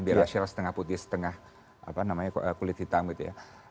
birasial setengah putih setengah apa namanya kulit hitam gitu ya